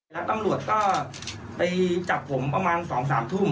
แล้วตำรวจก็ไปจับผมประมาณ๒๓ทุ่ม